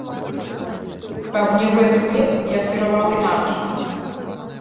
Каб не гэты хлеб, я б кіравала інакш.